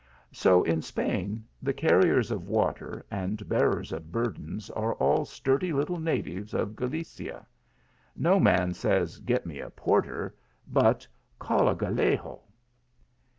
So in Spain the carriers of water and bearers of burdens are all sturdy little natives of Gallicia. No man says, "get me a porter," but, " call a Gallego."